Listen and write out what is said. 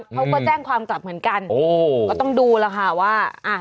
เขาก็แจ้งความกลับเหมือนกันก็ต้องดูนะคะว่า